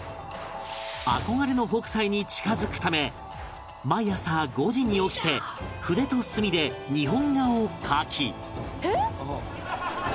憧れの北斎に近付くため毎朝５時に起きて筆と墨で日本画を描き